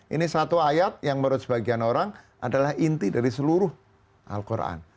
ini satu ayat yang menurut sebagian orang adalah inti dari seluruh al quran